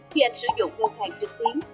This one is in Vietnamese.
khi anh sử dụng ngân hàng trực tiến